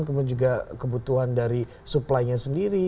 kemudian juga kebutuhan dari supply nya sendiri